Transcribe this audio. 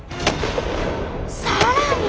さらに。